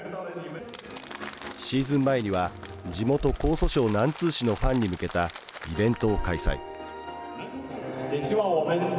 シーズン前には地元、江蘇省南通市のファンに向けたイベントを開催。